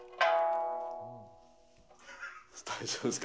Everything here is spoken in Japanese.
大丈夫ですか？